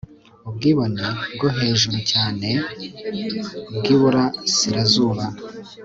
Ubwibonebwohejuru cyane bwiburasirazuba